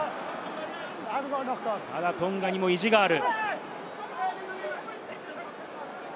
ただトンガにも意地がある。